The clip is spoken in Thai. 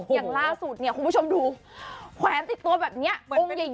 อย่างล่าสุดเนี่ยคุณผู้ชมดูแขวนติดตัวแบบนี้องค์ใหญ่